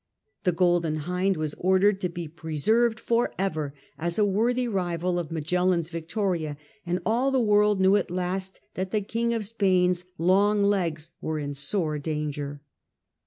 The Golden Hind was ordered to be preserved for ever, as a worthy rival of Magellan's Ficto7my and all the world knew at last that the " King of Spain's long legs " were in sore danger.